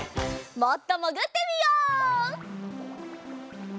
もっともぐってみよう！